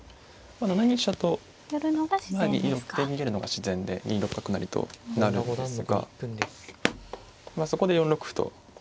７二飛車と寄って逃げるのが自然で２六角成と成るんですがそこで４六歩と。